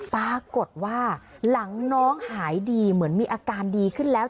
ปรากฏว่าหลังน้องหายดีเหมือนมีอาการดีขึ้นแล้ว